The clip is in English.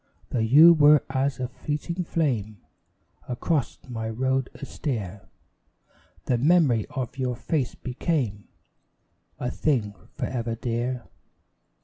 Though you were as a fleeting flame Across my road austere, The memory of your face became A thing for ever dear.